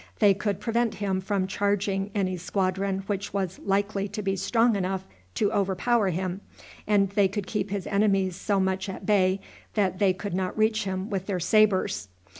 They could prevent him from charging any squadron which was likely to be strong enough to overpower him, and they could keep his enemies so much at bay that they could not reach him with their sabres.